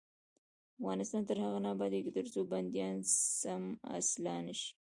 افغانستان تر هغو نه ابادیږي، ترڅو بندیان سم اصلاح نشي.